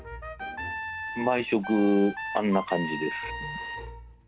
毎食、あんな感じです。